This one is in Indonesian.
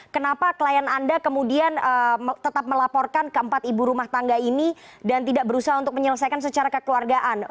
kenapa klien anda kemudian tetap melaporkan keempat ibu rumah tangga ini dan tidak berusaha untuk menyelesaikan secara kekeluargaan